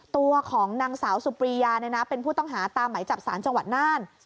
ตัวของนางสาวสุปรียาเป็นผู้ต้องหาตามไหมจับสารจังหวัดน่าน